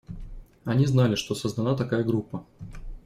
Они знали, что создана такая группа.